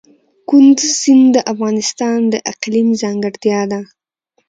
کندز سیند د افغانستان د اقلیم ځانګړتیا ده.